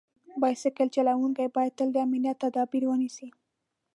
بایسکل چلونکي باید تل د امنیت تدابیر ونیسي.